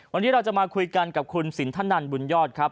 วันนี้เราจะมาคุยกันกับคุณสินทนันบุญยอดครับ